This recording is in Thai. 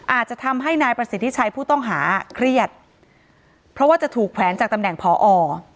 อาจจะทำให้นายประสิทธิชัยผู้ต้องหาเครียดเพราะว่าจะถูกแขวนจากตำแหน่งพอ